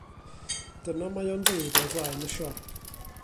Dyna mae o'n ddeud ar flaen y siop.